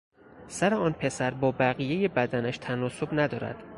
سر آن پسر با بقیهی بدنش تناسب ندارد.